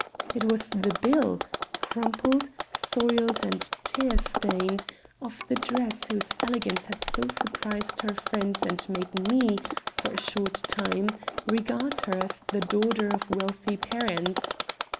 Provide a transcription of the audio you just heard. It was the bill crumpled, soiled and tear stained of the dress whose elegance had so surprised her friends and made me, for a short time, regard her as the daughter of wealthy parents.